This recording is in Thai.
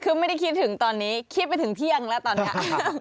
คือไม่ได้คิดถึงตอนนี้คิดไปถึงเที่ยงแล้วตอนนี้